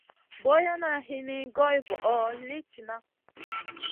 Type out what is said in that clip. Boyna hini goy voʼo li tihna.